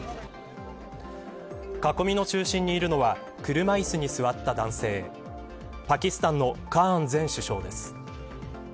囲みの中心にいるのは車いすに座った男性パキスタンのカーン前首相です。